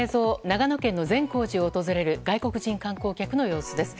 長野県の善光寺を訪れる外国人観光客の様子です。